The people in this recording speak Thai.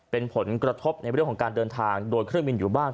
เป็นผลกระทบในเรื่องของการเดินทางโดยเครื่องบินอยู่บ้าง